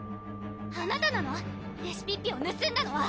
あなたなの⁉レシピッピをぬすんだのは！